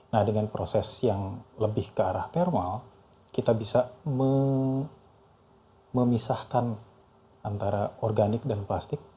nah dengan proses yang lebih ke arah thermal kita bisa memisahkan antara organik dan plastik